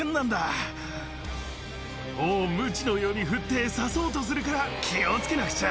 尾をムチのように振って刺そうとするから気を付けなくちゃ。